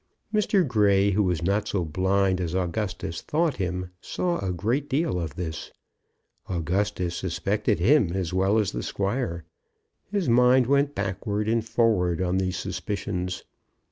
Mr. Grey, who was not so blind as Augustus thought him, saw a great deal of this. Augustus suspected him as well as the squire. His mind went backward and forward on these suspicions.